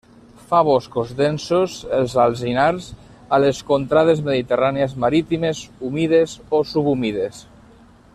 Fa boscos densos, els alzinars, a les contrades mediterrànies marítimes humides o subhumides.